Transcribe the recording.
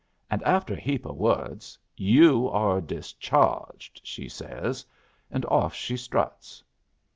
And after a heap o' words, 'You are discharged,' she says; and off she struts.